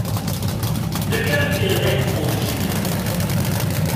De quelle ville êtes-vous originaire ?